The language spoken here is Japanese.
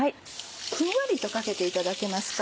ふんわりとかけていただけますか？